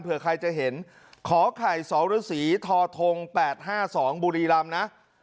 เผื่อใครจะเห็นขอไข่สศธรธง๘๕๒บุรีรำนะ